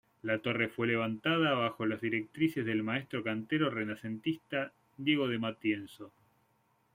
La torre fue levantada bajo las directrices del maestro cantero renacentista Diego de Matienzo.